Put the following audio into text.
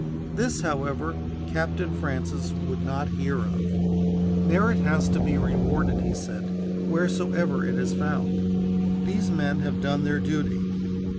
This, however, Captain Francis would not hear of. "Merit has to be rewarded," he said, "wheresoever it is found. These men have done their duty.